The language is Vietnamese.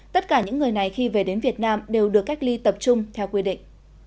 tất cả những người này khi về đến việt nam đều được cách ly tập trung theo quy định